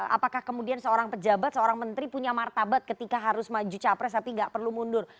apakah kemudian seorang pejabat seorang menteri punya martabat ketika harus maju capres tapi gak perlu mundur